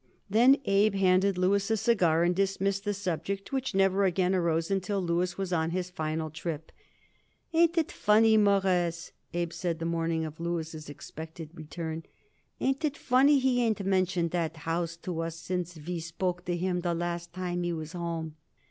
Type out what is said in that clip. Then Abe handed Louis a cigar and dismissed the subject, which never again arose until Louis was on his final trip. "Ain't it funny, Mawruss," Abe said, the morning of Louis' expected return "ain't it funny he ain't mentioned that house to us since we spoke to him the last time he was home?"